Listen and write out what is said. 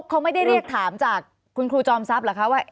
เขาไม่ได้เรียกถามจากคุณครูจอมทรัพย์เหรอคะว่า